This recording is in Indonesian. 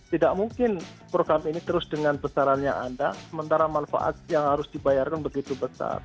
tidak mungkin program ini terus dengan besarannya ada sementara manfaat yang harus dibayarkan begitu besar